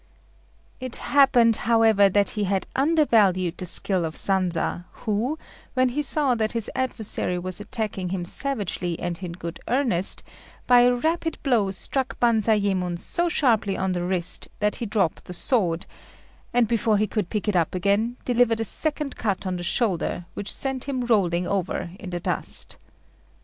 It happened, however, that he had undervalued the skill of Sanza, who, when he saw that his adversary was attacking him savagely and in good earnest, by a rapid blow struck Banzayémon so sharply on the wrist that he dropped the sword, and, before he could pick it up again, delivered a second cut on the shoulder, which sent him rolling over in the dust.